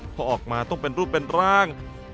พอออกมาต้องเป็นรูปเป็นร่าง